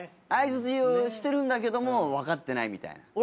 相槌をしてるんだけどもわかってないみたいな。